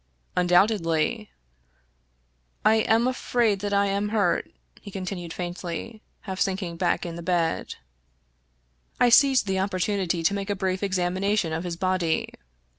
" Undoubtedly." " I am afraid that I am hurt," he continued faintly, half sinking back in the bed. I seized the opportunity to make a brief examination of his body.